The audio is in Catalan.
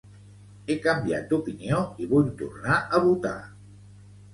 He canviat d'opinió i vull tornar a votar